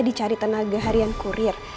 di cari tenaga harian kurir